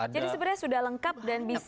jadi sebenarnya sudah lengkap dan bisa